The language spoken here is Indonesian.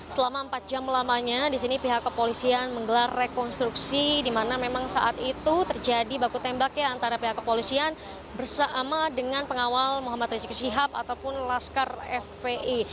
selama empat jam lamanya di sini pihak kepolisian menggelar rekonstruksi di mana memang saat itu terjadi baku tembak ya antara pihak kepolisian bersama dengan pengawal muhammad rizik syihab ataupun laskar fpi